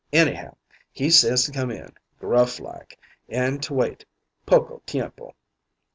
Anyhow, he says to come in, gruff like, an' to wait, poco tiempo.